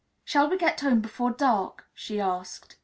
"Shall we get home before dark?" she asked.